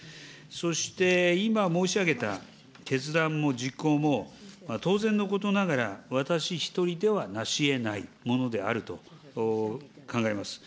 そして、今申し上げた決断も実行も、当然のことながら、私一人ではなしえないものであると考えます。